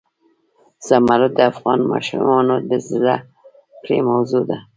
زمرد د افغان ماشومانو د زده کړې موضوع ده.